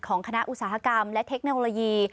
คณะอุตสาหกรรมและเทคโนโลยี